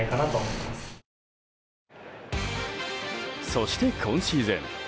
そして、今シーズン。